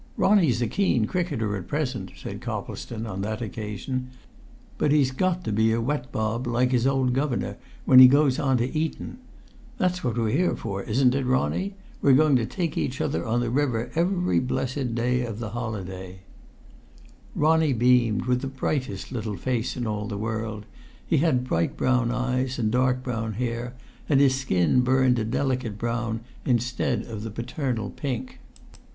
"Ronnie's a keen cricketer at present," said Coplestone on that occasion. "But he's got to be a wet bob like his old governor when he goes on to Eton. That's what we're here for, isn't it, Ronnie? We're going to take each other on the river every blessed day of the holidays." Ronnie beamed with the brightest little face in all the world. He had bright brown eyes and dark brown hair, and his skin burnt a delicate brown instead of the paternal pink.